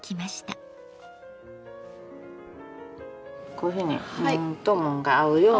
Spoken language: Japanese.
こういうふうに紋と紋が合うように。